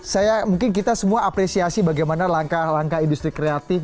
saya mungkin kita semua apresiasi bagaimana langkah langkah industri kreatif